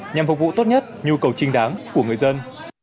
nhằm phục vụ tốt nhất nhu cầu trinh đáng của người dân